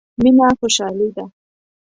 مينه خوشالي ده.